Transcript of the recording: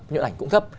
nhuận ảnh cũng thấp